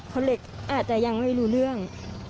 คนนึงก็อาจจะยังไม่รู้เรื่อง